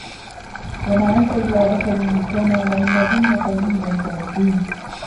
وما أنت إلا بشر مثلنا وإن نظنك لمن الكاذبين